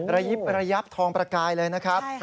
ระยิบระยับทองประกายเลยนะครับ